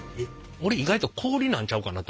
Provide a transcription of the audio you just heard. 俺意外と氷なんちゃうかなと思っててん。